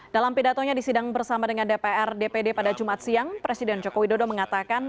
dalam pidatonya di sidang bersama dengan dpr dpd pada jumat siang presiden joko widodo mengatakan